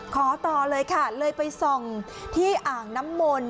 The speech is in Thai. ขอต่อเลยค่ะเลยไปส่องที่อ่างน้ำมนต์